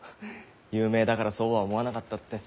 有名だからそうは思わなかったって。